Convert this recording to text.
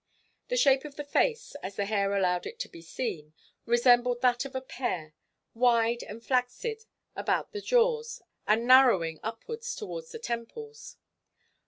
The shape of the face, as the hair allowed it to be seen, resembled that of a pear, wide and flaccid about the jaws and narrowing upwards towards the temples.